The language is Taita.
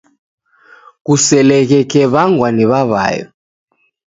Kuseleghe kew'angwa ni w'aw'ayo